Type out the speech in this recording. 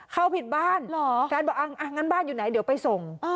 เข้าผิดบ้านแฟนบอกงั้นบ้านอยู่ไหนเดี๋ยวไปส่ง